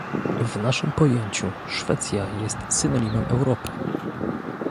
W naszym pojęciu Szwecja jest synonimem Europy